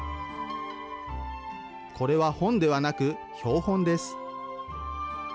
これは本ではなく、標本です。